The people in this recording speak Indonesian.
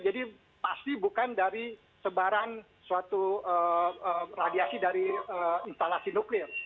jadi pasti bukan dari sebaran suatu radiasi dari instalasi nuklir